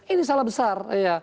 ini salah besar